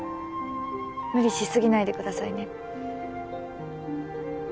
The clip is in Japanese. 無理し過ぎないでくださいね。